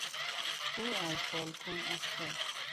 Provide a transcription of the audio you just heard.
او از بالکن افتاد.